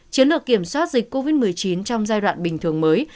chiến lược kiểm soát dịch covid một mươi chín trong giai đoạn bình thường mới